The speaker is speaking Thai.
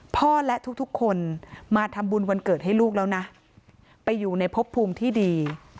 พ่อและทุกคนมาทำบุญวันเกิดให้ลูกแล้วนะไปอยู่ในพบภูมิที่ดี